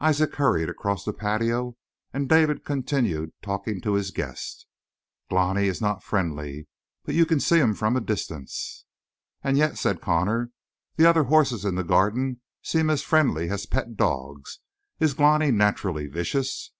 Isaac hurried across the patio, and David continued talking to his guest. "Glani is not friendly; but you can see him from a distance." "And yet," said Connor, "the other horses in the Garden seem as friendly as pet dogs. Is Glani naturally vicious?"